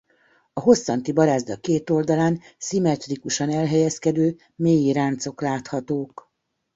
A hosszanti barázda két oldalán szimmetrikusan elhelyezkedő mély ráncok láthatók.